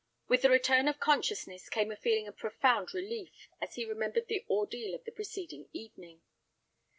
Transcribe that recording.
With the return of consciousness came a feeling of profound relief as he remembered the ordeal of the preceding evening.